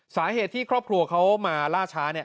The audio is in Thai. สาเหตุที่ครอบครัวเขามาล่าช้า